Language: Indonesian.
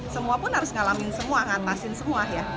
semua pun harus ngalamin semua ngatasin semua ya